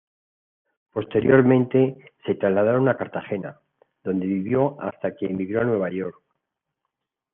Posteriormente se trasladaron a Cartagena, donde vivió hasta que emigró a Nueva York.